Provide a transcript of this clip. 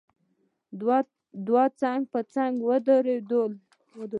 دواړه څنګ په څنګ ودرېدلو.